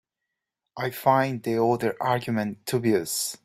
I find the other argument dubious.